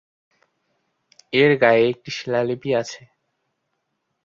এর গায়ে একটি শিলালিপি আছে।